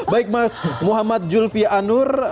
baik mas muhammad julfi anur